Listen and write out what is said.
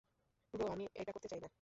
Bro, আমি এটা করতে চাই না।